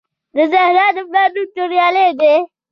د زهرا د پلار نوم توریالی دی